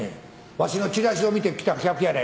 わしのチラシを見て来た客やないかい。